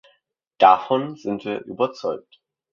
Davon sind wir überzeugt.